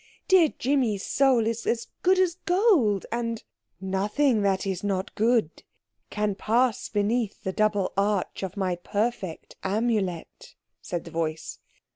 Dear Jimmy's soul is as good as gold, and—" "Nothing that is not good can pass beneath the double arch of my perfect Amulet," said the voice.